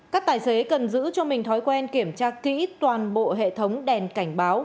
các tài xế cần giữ cho mình thói quen kiểm tra kỹ toàn bộ hệ thống đèn cảnh báo